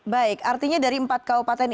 baik artinya dari empat kabupaten ini